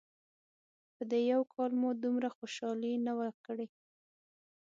په دې یو کال مو دومره خوشحالي نه وه کړې.